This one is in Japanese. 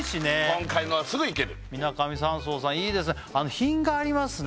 今回のはすぐ行ける水上山荘さんいいですね品がありますね